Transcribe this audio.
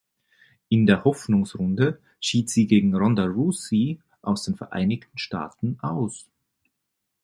In der Hoffnungsrunde schied sie gegen Ronda Rousey aus den Vereinigten Staaten aus.